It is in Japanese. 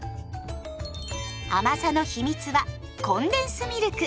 甘さの秘密はコンデンスミルク。